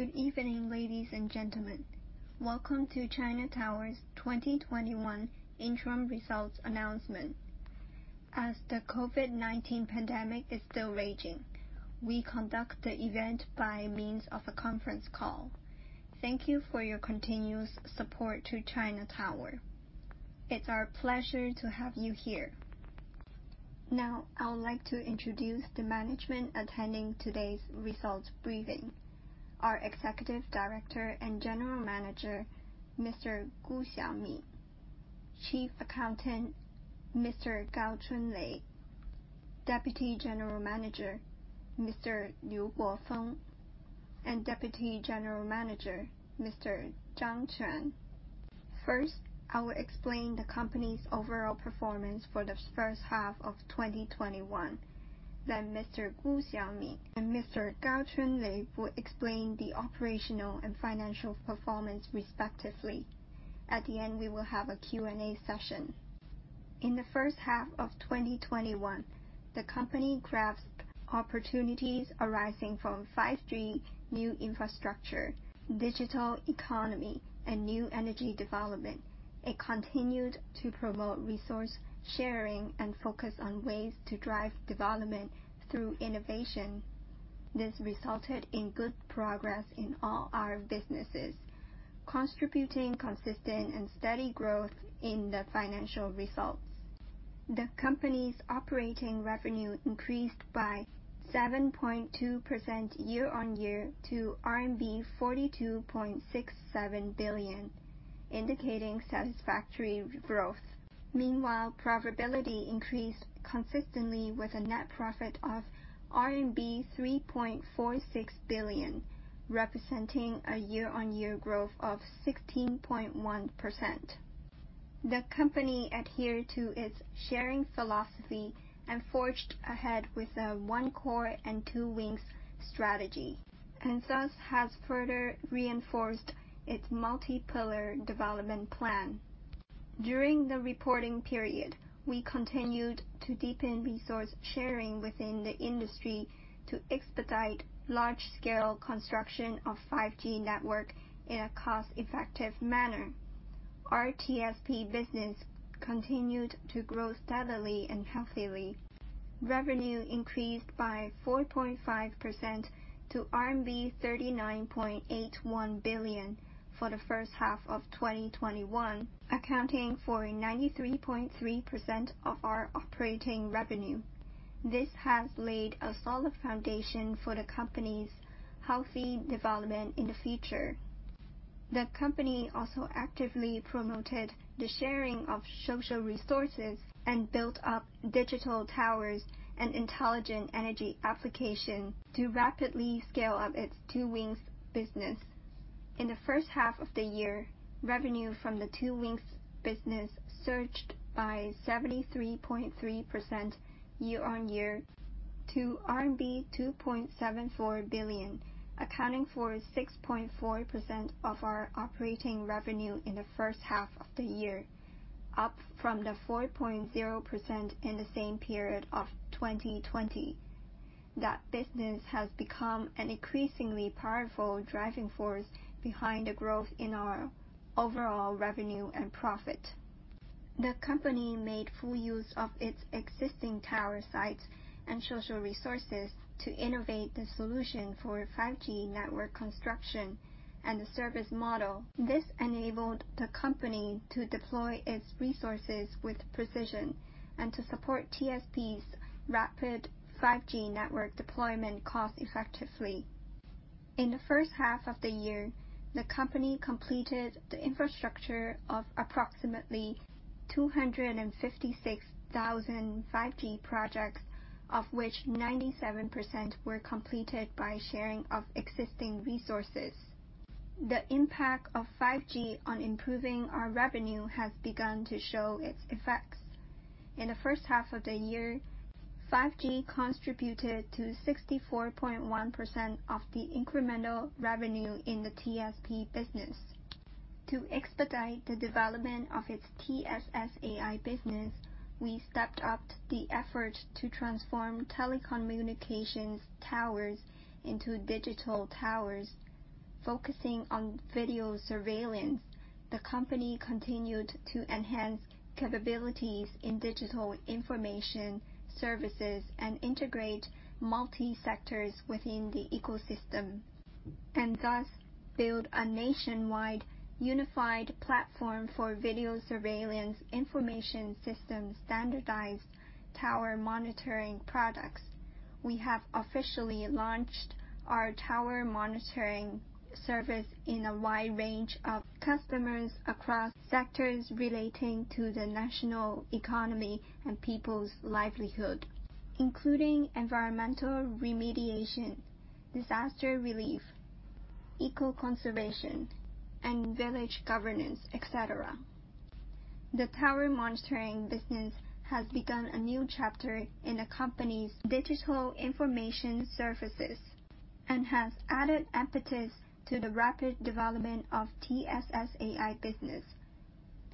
Good evening, ladies and gentlemen. Welcome to China Tower's 2021 interim results announcement. As the COVID-19 pandemic is still raging, we conduct the event by means of a conference call. Thank you for your continuous support to China Tower. It's our pleasure to have you here. Now, I would like to introduce the management attending today's results briefing. Our Executive Director and General Manager, Mr. Gu Xiaomin. Chief Accountant, Mr. Gao Chunlei. Deputy General Manager, Mr. Liu Guofeng, and Deputy General Manager, Mr. Zhang Quan. First, I will explain the company's overall performance for the first half of 2021. Mr. Gu Xiaomin and Mr. Gao Chunlei will explain the operational and financial performance respectively. At the end, we will have a Q&A session. In the first half of 2021, the company grasped opportunities arising from 5G new infrastructure, digital economy, and new energy development. It continued to promote resource sharing and focus on ways to drive development through innovation. This resulted in good progress in all our businesses, contributing consistent and steady growth in the financial results. The company's operating revenue increased by 7.2% year-on-year to RMB 42.67 billion, indicating satisfactory growth. Meanwhile, profitability increased consistently with a net profit of RMB 3.46 billion, representing a year-on-year growth of 16.1%. The company adhered to its sharing philosophy and forged ahead with a One Core and Two Wings strategy, and thus has further reinforced its multi-pillar development plan. During the reporting period, we continued to deepen resource sharing within the industry to expedite large-scale construction of 5G network in a cost-effective manner. Our TSP business continued to grow steadily and healthily. Revenue increased by 4.5% to RMB 39.81 billion for the first half of 2021, accounting for 93.3% of our operating revenue. This has laid a solid foundation for the company's healthy development in the future. The company also actively promoted the sharing of social resources and built up digital towers and intelligent energy application to rapidly scale up its Two Wings business. In the first half of the year, revenue from the Two Wings business surged by 73.3% year-on-year to RMB 2.74 billion, accounting for 6.4% of our operating revenue in the first half of the year, up from the 4.0% in the same period of 2020. That business has become an increasingly powerful driving force behind the growth in our overall revenue and profit. The company made full use of its existing tower sites and social resources to innovate the solution for 5G network construction and the service model. This enabled the company to deploy its resources with precision and to support TSPs rapid 5G network deployment cost effectively. In the first half of the year, the company completed the infrastructure of approximately 256,000 5G projects, of which 97% were completed by sharing of existing resources. The impact of 5G on improving our revenue has begun to show its effects. In the first half of the year, 5G contributed to 64.1% of the incremental revenue in the TSP business. To expedite the development of its TSSAI business, we stepped up the effort to transform telecommunications towers into digital towers. Focusing on video surveillance, the company continued to enhance capabilities in digital information services and integrate multi-sectors within the ecosystem, and thus build a nationwide unified platform for video surveillance information system standardized tower monitoring products. We have officially launched our tower monitoring service in a wide range of customers across sectors relating to the national economy and people's livelihood, including environmental remediation, disaster relief, eco-conservation, and village governance, etc. The tower monitoring business has begun a new chapter in the company's digital information services and has added impetus to the rapid development of TSSAI business.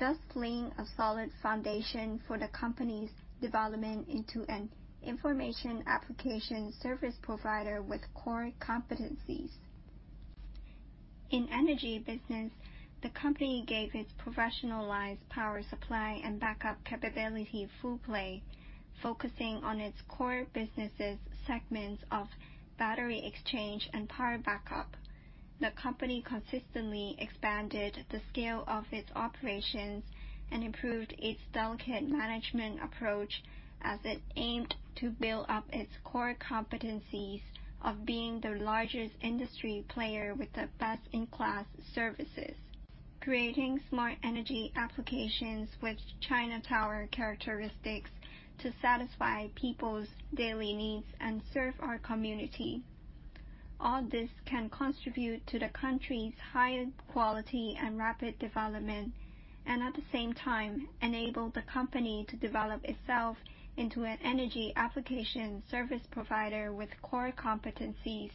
Thus laying a solid foundation for the company's development into an information application service provider with core competencies. In Energy business, the company gave its professionalized power supply and backup capability full play, focusing on its core businesses segments of battery exchange and power backup. The company consistently expanded the scale of its operations and improved its delicate management approach as it aimed to build up its core competencies of being the largest industry player with the best-in-class services, creating smart energy applications with China Tower characteristics to satisfy people's daily needs and serve our community. All this can contribute to the country's higher quality and rapid development. At the same time enable the company to develop itself into an energy application service provider with core competencies.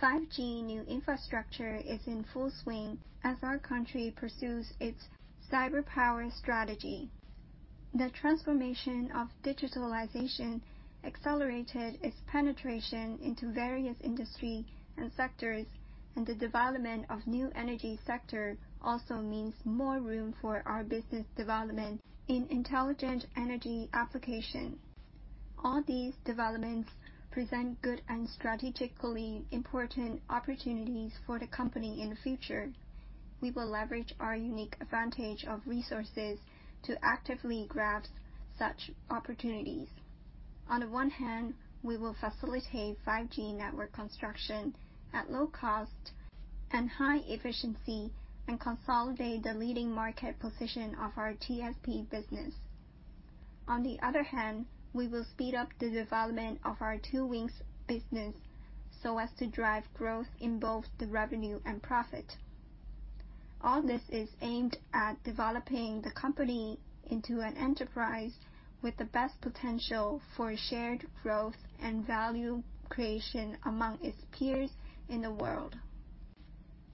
5G new infrastructure is in full swing as our country pursues its cyber power strategy. The transformation of digitalization accelerated its penetration into various industry and sectors. The development of new energy sector also means more room for our business development in intelligent energy application. All these developments present good and strategically important opportunities for the company in the future. We will leverage our unique advantage of resources to actively grasp such opportunities. On the one hand, we will facilitate 5G network construction at low cost and high efficiency, and consolidate the leading market position of our TSP business. On the other hand, we will speed up the development of our Two Wings business so as to drive growth in both the revenue and profit. All this is aimed at developing the company into an enterprise with the best potential for shared growth and value creation among its peers in the world.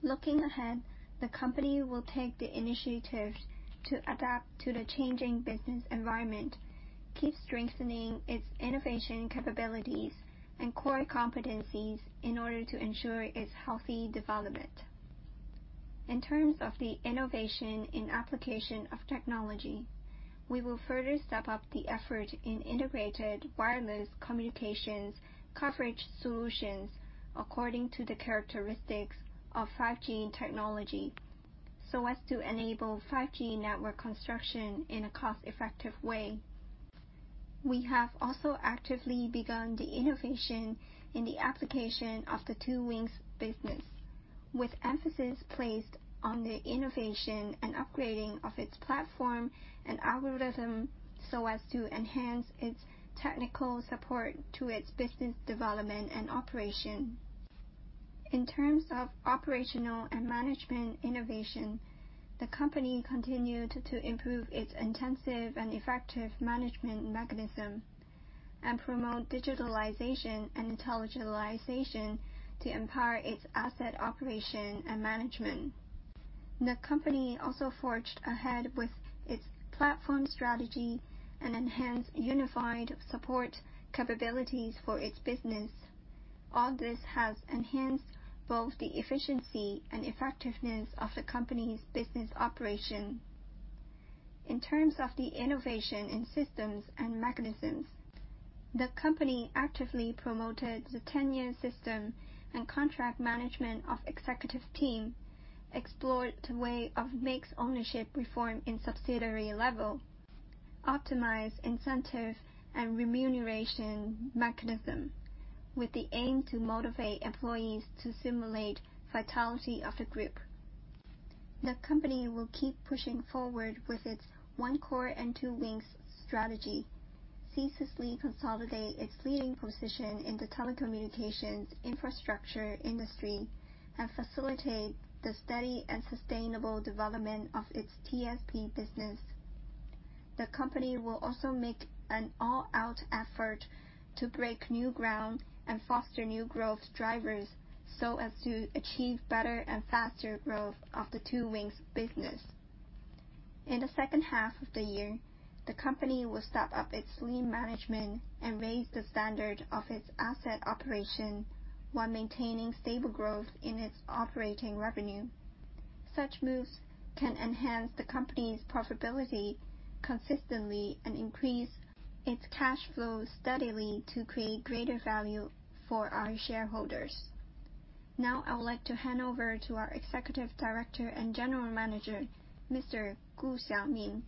Looking ahead, the company will take the initiatives to adapt to the changing business environment, keep strengthening its innovation capabilities and core competencies in order to ensure its healthy development. In terms of the innovation in application of technology, we will further step up the effort in integrated wireless communications coverage solutions according to the characteristics of 5G technology, so as to enable 5G network construction in a cost-effective way. We have also actively begun the innovation in the application of the Two Wings business, with emphasis placed on the innovation and upgrading of its platform and algorithm so as to enhance its technical support to its business development and operation. In terms of operational and management innovation, the company continued to improve its intensive and effective management mechanism and promote digitalization and intelligentization to empower its asset operation and management. The company also forged ahead with its platform strategy and enhanced unified support capabilities for its business. All this has enhanced both the efficiency and effectiveness of the company's business operation. In terms of the innovation in systems and mechanisms, the company actively promoted the tenure system and contract management of executive team, explore to ways of mixed ownership reform in subsidiary level, optimize incentive and remuneration mechanism with the aim to motivate employees to simulate vitality of the group. The company will keep pushing forward with its One Core and Two Wings strategy, ceaselessly consolidate its leading position in the telecommunications infrastructure industry, and facilitate the steady and sustainable development of its TSP business. The company will also make an all-out effort to break new ground and foster new growth drivers so as to achieve better and faster growth of the Two Wings business. In the second half of the year, the company will step up its lean management and raise the standard of its asset operation while maintaining stable growth in its operating revenue. Such moves can enhance the company's profitability consistently and increase its cash flow steadily to create greater value for our shareholders. Now I would like to hand over to our Executive Director and General Manager, Mr. Gu Xiaomin.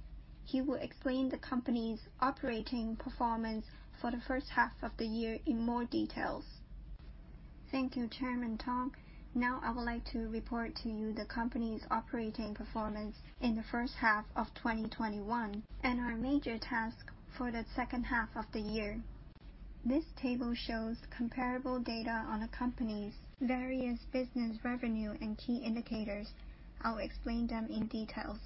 He will explain the company's operating performance for the first half of the year in more details. Thank you, Chairman Tong. Now I would like to report to you the company's operating performance in the first half of 2021 and our major task for the second half of the year. This table shows comparable data on the company's various business revenue and key indicators. I'll explain them in details.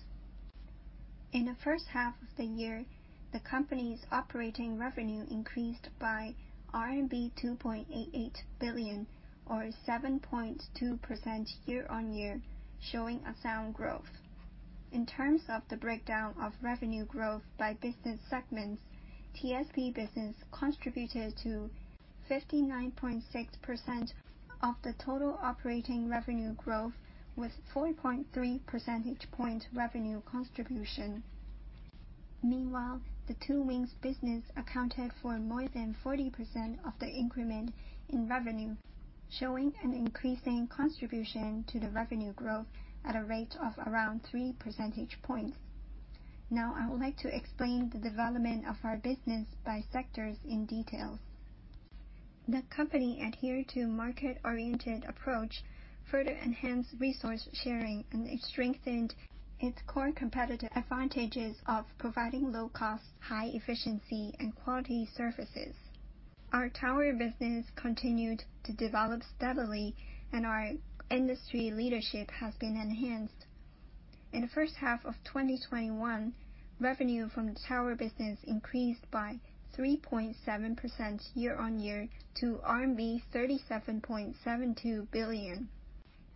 In the first half of the year, the company's operating revenue increased by RMB 2.88 billion or 7.2% year-on-year, showing a sound growth. In terms of the breakdown of revenue growth by business segments, TSP business contributed to 59.6% of the total operating revenue growth, with 4.3 percentage point revenue contribution. Meanwhile, the Two Wings business accounted for more than 40% of the increment in revenue, showing an increasing contribution to the revenue growth at a rate of around three percentage points. Now, I would like to explain the development of our business by sectors in detail. The company adhered to market-oriented approach, further enhanced resource sharing, and it strengthened its core competitive advantages of providing low cost, high efficiency, and quality services. Our tower business continued to develop steadily, and our industry leadership has been enhanced. In the first half of 2021, revenue from the tower business increased by 3.7% year-on-year to RMB 37.72 billion.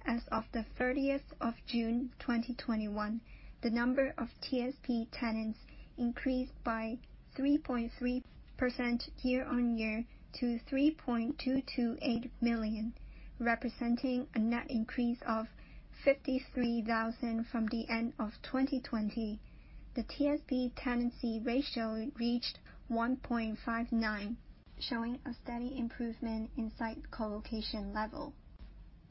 As of June 30th, 2021, the number of TSP tenants increased by 3.3% year-over-year to 3.228 million, representing a net increase of 53,000 from the end of 2020. The TSP tenancy ratio reached 1.59x, showing a steady improvement in site colocation level.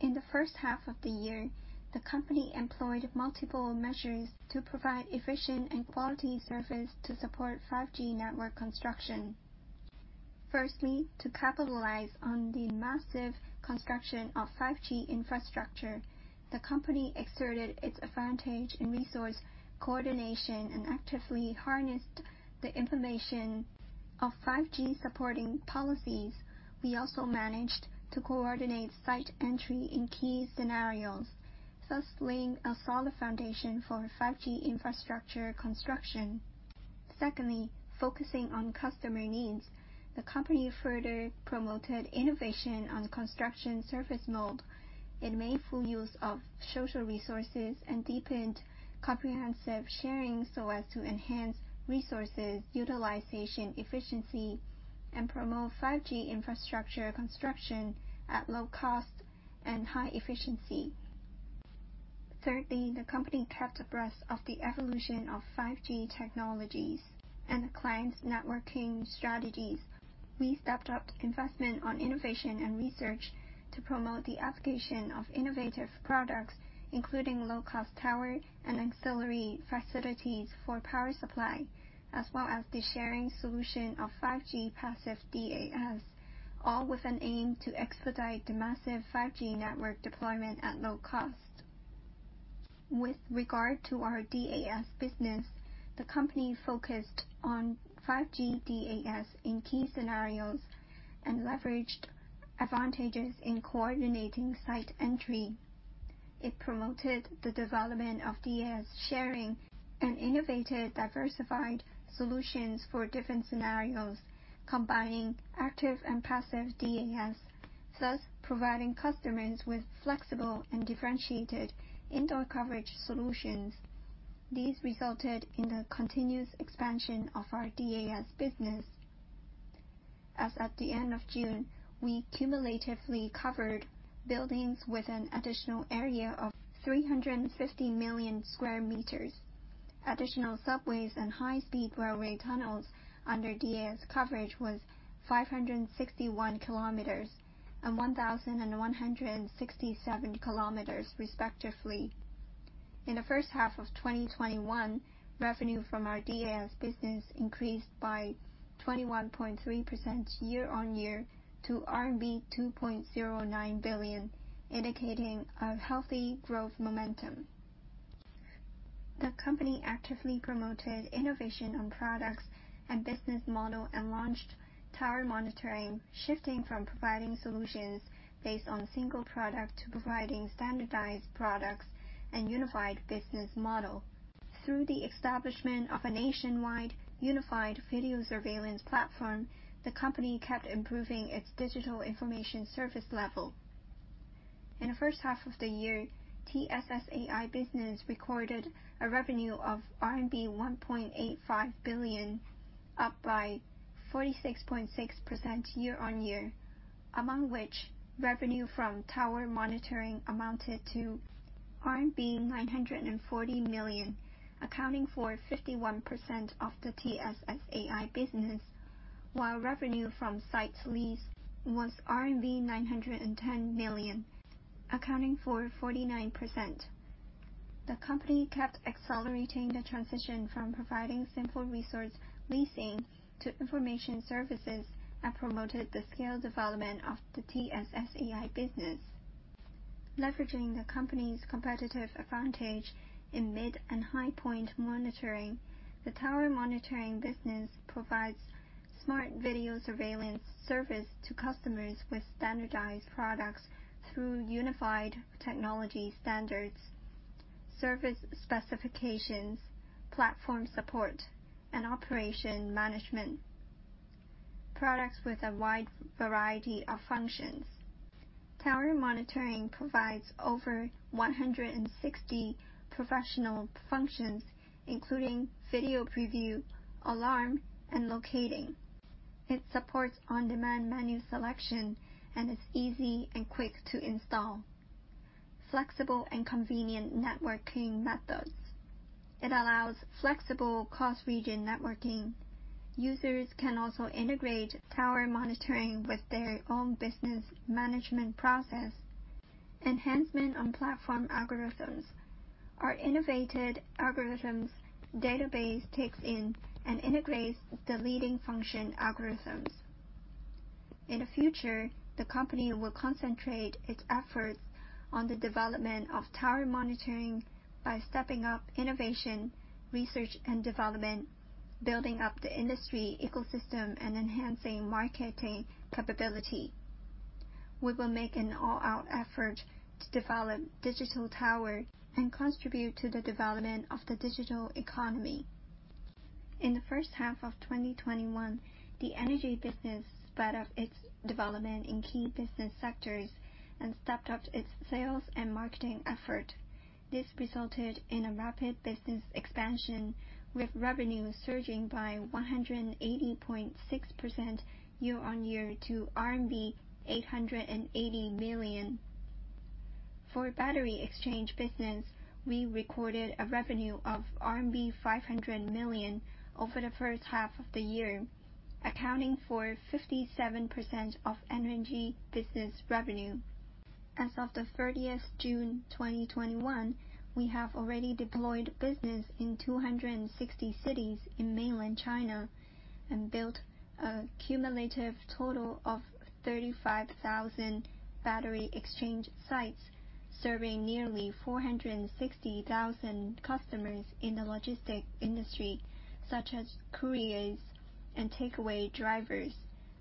In the first half of the year, the company employed multiple measures to provide efficient and quality service to support 5G network construction. Firstly, to capitalize on the massive construction of 5G infrastructure, the company exerted its advantage in resource coordination and actively harnessed the information of 5G supporting policies. We also managed to coordinate site entry in key scenarios, thus laying a solid foundation for 5G infrastructure construction. Secondly, focusing on customer needs, the company further promoted innovation on the construction service mode. It made full use of social resources and deepened comprehensive sharing so as to enhance resources utilization efficiency and promote 5G infrastructure construction at low cost and high efficiency. Thirdly, the company kept abreast of the evolution of 5G technologies and the client's networking strategies. We stepped up investment on innovation and research to promote the application of innovative products, including low-cost tower and ancillary facilities for power supply, as well as the sharing solution of 5G passive DAS, all with an aim to expedite the massive 5G network deployment at low cost. With regard to our DAS business, the company focused on 5G DAS in key scenarios and leveraged advantages in coordinating site entry. It promoted the development of DAS sharing and innovated diversified solutions for different scenarios, combining active and passive DAS, thus providing customers with flexible and differentiated indoor coverage solutions. These resulted in the continuous expansion of our DAS business. As at the end of June, we cumulatively covered buildings with an additional area of 350 million sq m. Additional subways and high-speed railway tunnels under DAS coverage was 561 km and 1,167 km, respectively. In the first half of 2021, revenue from our DAS business increased by 21.3% year-on-year to RMB 2.09 billion, indicating a healthy growth momentum. The company actively promoted innovation on products and business model and launched tower monitoring, shifting from providing solutions based on single product to providing standardized products and unified business model. Through the establishment of a nationwide unified video surveillance platform, the company kept improving its digital information service level. In the first half of the year, TSSAI business recorded a revenue of RMB 1.85 billion, up by 46.6% year-on-year, among which revenue from tower monitoring amounted to RMB 940 million, accounting for 51% of the TSSAI business, while revenue from site lease was RMB 910 million, accounting for 49%. The company kept accelerating the transition from providing simple resource leasing to information services and promoted the scale development of the TSSAI business. Leveraging the company's competitive advantage in mid- and high-point monitoring. The tower monitoring business provides smart video surveillance service to customers with standardized products through unified technology standards, service specifications, platform support, and operation management products with a wide variety of functions. Tower monitoring provides over 160 professional functions, including video preview, alarm, and locating. It supports on-demand menu selection and is easy and quick to install. Flexible and convenient networking methods. It allows flexible cross-region networking. Users can also integrate tower monitoring with their own business management process. Enhancement on platform algorithms. Our innovative algorithms database takes in and integrates the leading function algorithms. In the future, the company will concentrate its efforts on the development of tower monitoring by stepping up innovation, research and development, building up the industry ecosystem, and enhancing marketing capability. We will make an all-out effort to develop digital tower and contribute to the development of the digital economy. In the first half of 2021, the Energy business sped up its development in key business sectors and stepped up its sales and marketing effort. This resulted in a rapid business expansion, with revenue surging by 180.6% year-on-year to RMB 880 million. For battery exchange business, we recorded a revenue of RMB 500 million over the first half of the year, accounting for 57% of Energy business revenue. As of the 30th June 2021, we have already deployed business in 260 cities in mainland China and built a cumulative total of 35,000 battery exchange sites, serving nearly 460,000 customers in the logistics industry, such as couriers and takeaway drivers.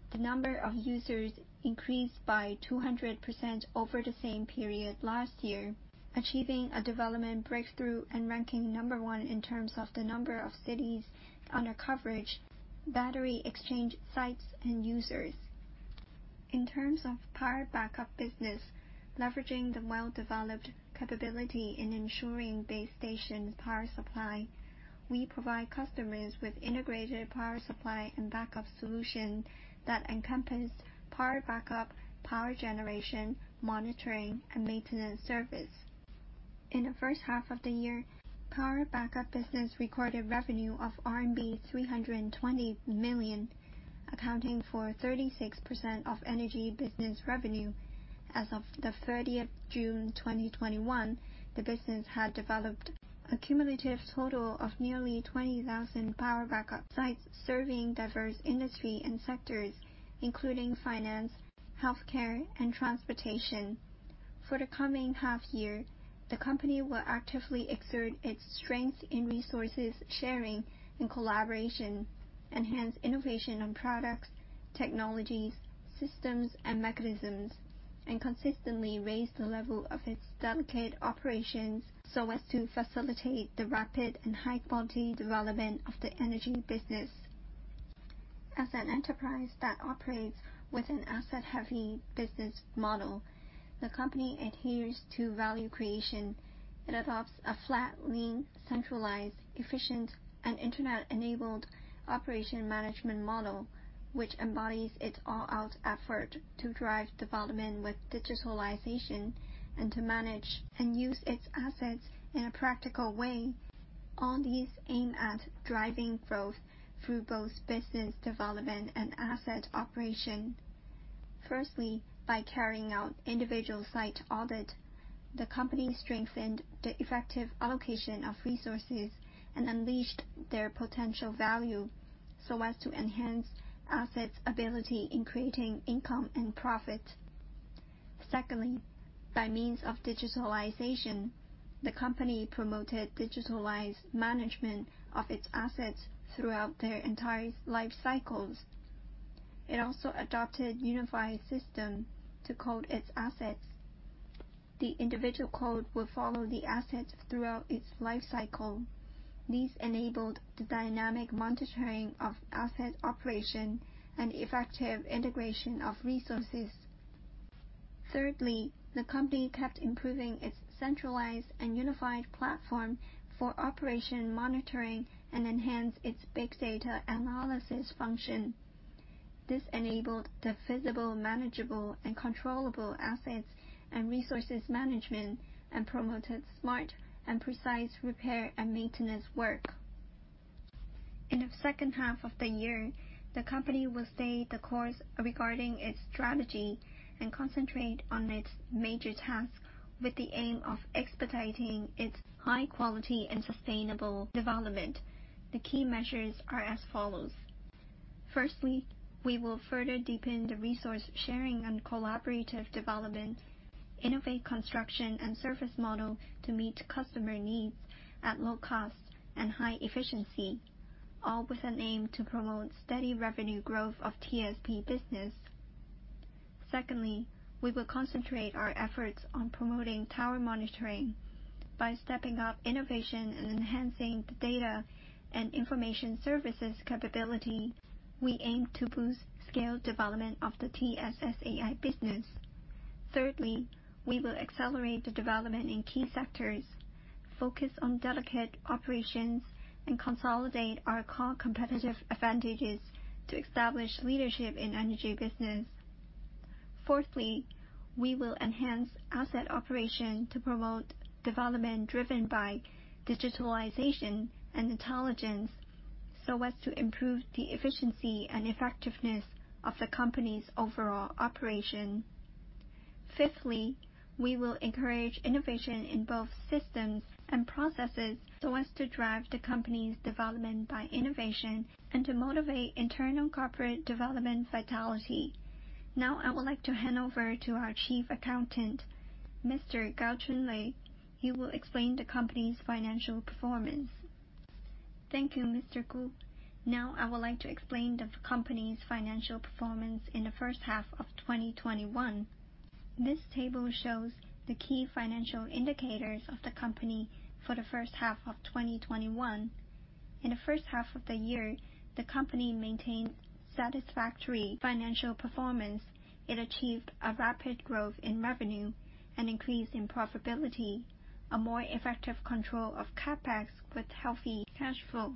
The number of users increased by 200% over the same period last year, achieving a development breakthrough and ranking number one in terms of the number of cities under coverage, battery exchange sites, and users. In terms of power backup business, leveraging the well-developed capability in ensuring base station power supply, we provide customers with integrated power supply and backup solution that encompass power backup, power generation, monitoring, and maintenance service. In the first half of the year, power backup business recorded revenue of RMB 320 million, accounting for 36% of Energy business revenue. As of June 30th, 2021, the business had developed a cumulative total of nearly 20,000 power backup sites, serving diverse industry and sectors, including finance, healthcare, and transportation. For the coming half year, the company will actively exert its strength in resources sharing and collaboration, enhance innovation on products, technologies, systems, and mechanisms, and consistently raise the level of its delicate operations so as to facilitate the rapid and high-quality development of the energy business. As an enterprise that operates with an asset-heavy business model, the company adheres to value creation. It adopts a flat, lean, centralized, efficient, and internet-enabled operation management model, which embodies its all-out effort to drive development with digitalization and to manage and use its assets in a practical way. All these aim at driving growth through both business development and asset operation. Firstly, by carrying out individual site audit, the company strengthened the effective allocation of resources and unleashed their potential value so as to enhance assets' ability in creating income and profit. Secondly, by means of digitalization, the company promoted digitalized management of its assets throughout their entire life cycles. It also adopted a unified system to code its assets. The individual code will follow the asset throughout its life cycle. These enabled the dynamic monitoring of asset operation and effective integration of resources. Thirdly, the company kept improving its centralized and unified platform for operation monitoring and enhanced its big data analysis function. This enabled the visible, manageable, and controllable assets and resources management and promoted smart and precise repair and maintenance work. In the second half of the year, the company will stay the course regarding its strategy and concentrate on its major tasks with the aim of expediting its high quality and sustainable development. The key measures are as follows. Firstly, we will further deepen the resource sharing and collaborative development, innovate construction and service model to meet customer needs at low cost and high efficiency, all with an aim to promote steady revenue growth of TSP business. Secondly, we will concentrate our efforts on promoting tower monitoring. By stepping up innovation and enhancing the data and information services capability, we aim to boost scale development of the TSSAI business. Thirdly, we will accelerate the development in key sectors, focus on delicate operations, and consolidate our core competitive advantages to establish leadership in Energy business. Fourthly, we will enhance asset operation to promote development driven by digitalization and intelligence, so as to improve the efficiency and effectiveness of the company's overall operation. Fifthly, we will encourage innovation in both systems and processes, so as to drive the company's development by innovation and to motivate internal corporate development vitality. Now I would like to hand over to our Chief Accountant, Mr. Gao Chunlei. He will explain the company's financial performance. Thank you, Mr. Gu. Now I would like to explain the company's financial performance in the first half of 2021. This table shows the key financial indicators of the company for the first half of 2021. In the first half of the year, the company maintained satisfactory financial performance. It achieved a rapid growth in revenue, an increase in profitability, a more effective control of CapEx with healthy cash flow.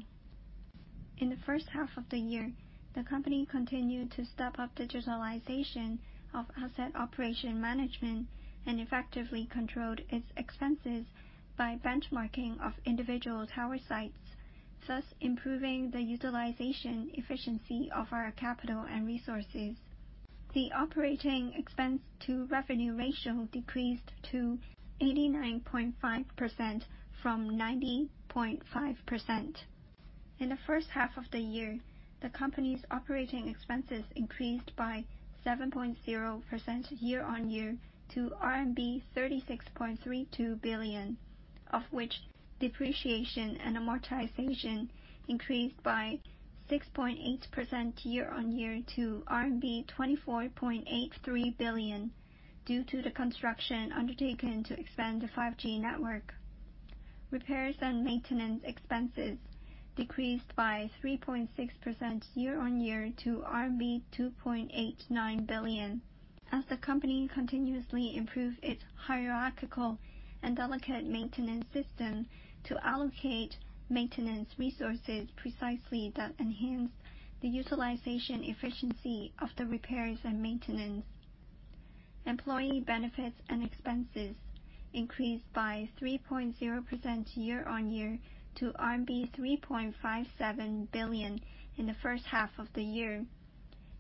In the first half of the year, the company continued to step up digitalization of asset operation management and effectively controlled its expenses by benchmarking of individual tower sites, thus improving the utilization efficiency of our capital and resources. The operating expense to revenue ratio decreased to 89.5% from 90.5%. In the first half of the year, the company's operating expenses increased by 7.0% year-on-year to RMB 36.32 billion, of which depreciation and amortization increased by 6.8% year-on-year to RMB 24.83 billion, due to the construction undertaken to expand the 5G network. Repairs and maintenance expenses decreased by 3.6% year-on-year to 2.89 billion as the company continuously improved its hierarchical and delicate maintenance system to allocate maintenance resources precisely that enhanced the utilization efficiency of the repairs and maintenance. Employee benefits and expenses increased by 3.0% year-on-year to RMB 3.57 billion in the first half of the year.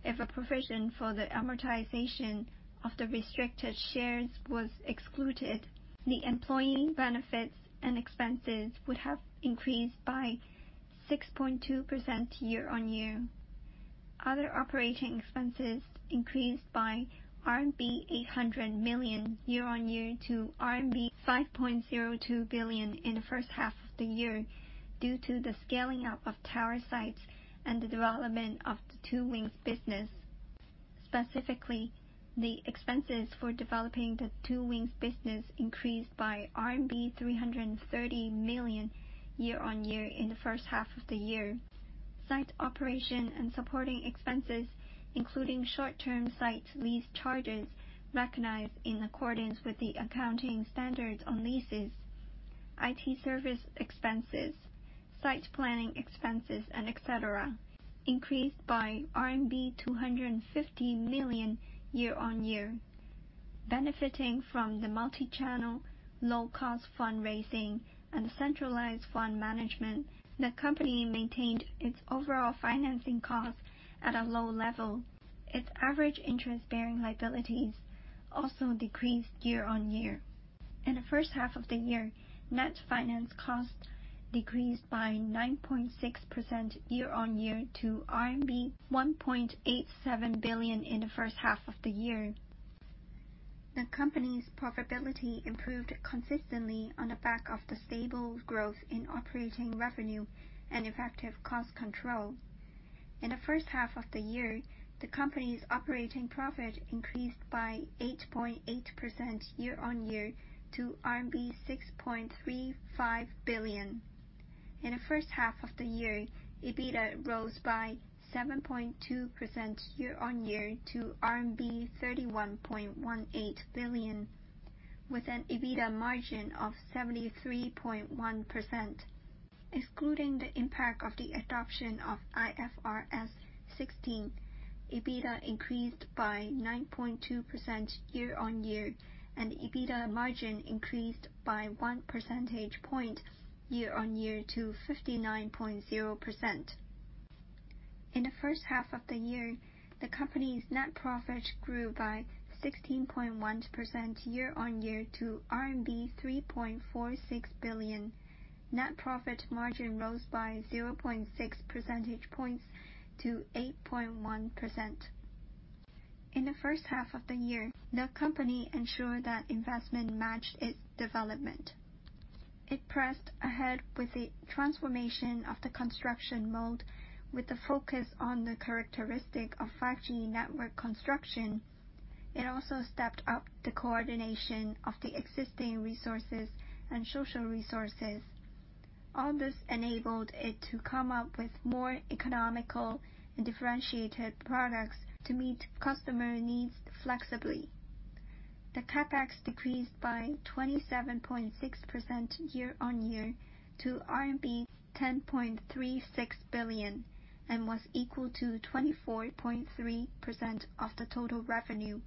If a provision for the amortization of the restricted shares was excluded, the employee benefits and expenses would have increased by 6.2% year-on-year. Other operating expenses increased by RMB 800 million year-on-year to RMB 5.02 billion in the first half of the year due to the scaling up of tower sites and the development of the Two Wings business. Specifically, the expenses for developing the two-wings business increased by RMB 330 million year-on-year in the first half of the year. Site operation and supporting expenses, including short-term site lease charges recognized in accordance with the accounting standards on leases, IT service expenses, site planning expenses, etc, increased by RMB 250 million year-on-year. Benefiting from the multi-channel low-cost fundraising and centralized fund management, the company maintained its overall financing cost at a low level. Its average interest-bearing liabilities also decreased year-on-year. In the first half of the year, net finance cost decreased by 9.6% year-on-year to RMB 1.87 billion in the first half of the year. The company's profitability improved consistently on the back of the stable growth in operating revenue and effective cost control. In the first half of the year, the company's operating profit increased by 8.8% year-on-year to RMB 6.35 billion. In the first half of the year, EBITDA rose by 7.2% year-on-year to RMB 31.18 billion, with an EBITDA margin of 73.1%. Excluding the impact of the adoption of IFRS 16, EBITDA increased by 9.2% year-on-year, and EBITDA margin increased by one percentage point year-on-year to 59.0%. In the first half of the year, the company's net profit grew by 16.1% year-on-year to RMB 3.46 billion. Net profit margin rose by 0.6 percentage points to 8.1%. In the first half of the year, the company ensured that investment matched its development. It pressed ahead with the transformation of the construction mold with the focus on the characteristic of 5G network construction. It also stepped up the coordination of the existing resources and social resources. All this enabled it to come up with more economical and differentiated products to meet customer needs flexibly. The CapEx decreased by 27.6% year-on-year to RMB 10.36 billion and was equal to 24.3% of the total revenue.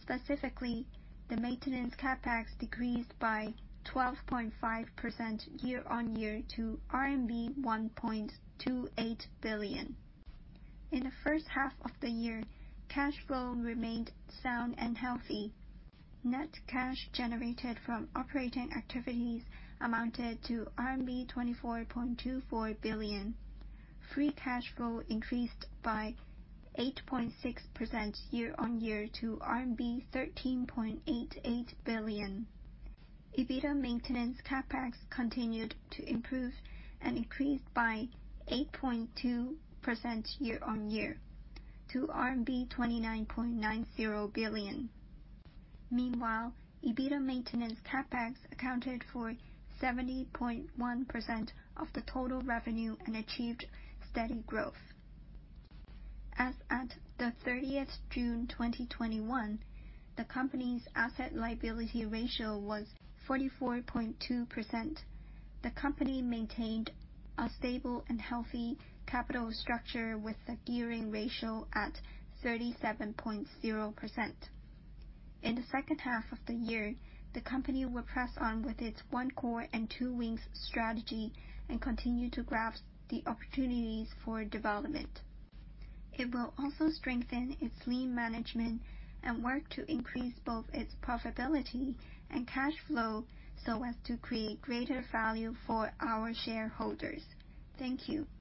Specifically, the maintenance CapEx decreased by 12.5% year-on-year to RMB 1.28 billion. In the first half of the year, cash flow remained sound and healthy. Net cash generated from operating activities amounted to RMB 24.24 billion. Free cash flow increased by 8.6% year-on-year to RMB 13.88 billion. EBITDA maintenance CapEx continued to improve and increased by 8.2% year-on-year to RMB 29.90 billion. Meanwhile, EBITDA maintenance CapEx accounted for 70.1% of the total revenue and achieved steady growth. As at June 30th, 2021, the company's asset liability ratio was 44.2%. The company maintained a stable and healthy capital structure with a gearing ratio at 37.0%. In the second half of the year, the company will press on with its One Core and Two Wings strategy and continue to grab the opportunities for development. It will also strengthen its lean management and work to increase both its profitability and cash flow so as to create greater value for our shareholders. Thank you.